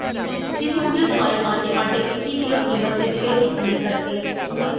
سندھ میں ملز مالکان نے اٹے کی فی کلو قیمت میں روپے کی کمی کردی